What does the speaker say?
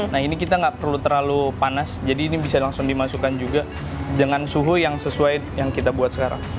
nah ini kita nggak perlu terlalu panas jadi ini bisa langsung dimasukkan juga dengan suhu yang sesuai yang kita buat sekarang